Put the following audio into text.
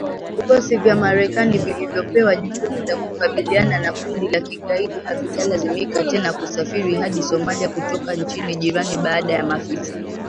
Vikosi vya Marekani vilivyopewa jukumu la kukabiliana na kundi la kigaidi havitalazimika tena kusafiri hadi Somalia kutoka nchi jirani baada ya maafisa